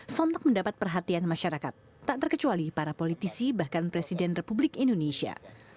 sontak mendapat perhatian masyarakat tak terkecuali para politisi bahkan presiden republik indonesia